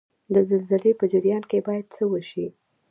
د زلزلې په جریان کې باید څه وشي؟